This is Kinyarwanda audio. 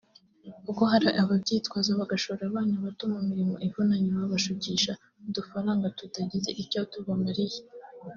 kuko hari ababyitwaza bagashora abana bato mu mirimo ivunanye babashukisha udufaranga tudagize icyo tubamariye